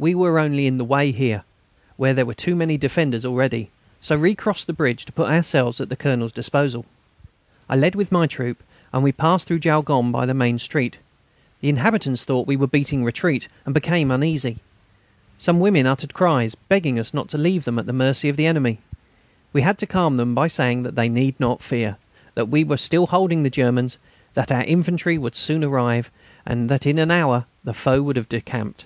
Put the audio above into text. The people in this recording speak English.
We were only in the way here, where there were too many defenders already, so recrossed the bridge to put ourselves at the Colonel's disposal. I led with my troop, and we passed through Jaulgonne by the main street. The inhabitants thought we were beating a retreat and became uneasy. Some women uttered cries, begging us not to leave them at the mercy of the enemy. We had to calm them by saying that they need not fear, that we were still holding the Germans, that our infantry would soon arrive, and that in an hour the foe would have decamped.